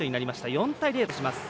４対０とします。